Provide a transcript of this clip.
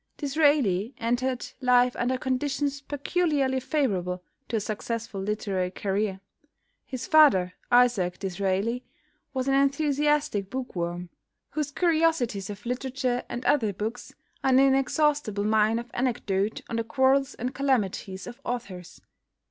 Disraeli entered life under conditions peculiarly favourable to a successful literary career. His father, Isaac D'Israeli, was an enthusiastic bookworm, whose "Curiosities of Literature" and other books are an inexhaustible mine of anecdote on the quarrels and calamities of authors.